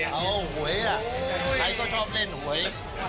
ใครก็ชอบเล่นหวย